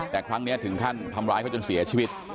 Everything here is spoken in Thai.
แต่ครั้งนี้ถึงขั้นทำร้ายเขาจนเสียชีวิต